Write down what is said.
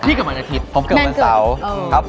ที่กำลังอาทิตย์แม่งเกิดผมเกิดวันเสาร์